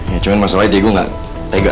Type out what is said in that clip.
ya cuma masalahnya diego gak tega